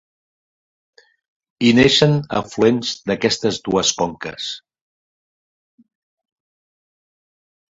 Hi neixen afluents d'aquestes dues conques.